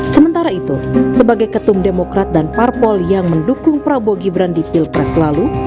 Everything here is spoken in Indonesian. sementara itu sebagai ketum demokrat dan parpol yang mendukung prabowo gibran di pilpres lalu